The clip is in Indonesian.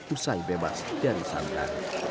usai bebas dari sandra